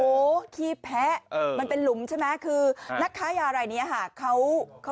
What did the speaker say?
โหขี้แพ้มันเป็นหลุมใช่ไหมคือนักค้ายาอะไรเนี่ยฮะเขาเขา